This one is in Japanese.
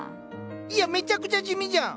いやめちゃくちゃ地味じゃん！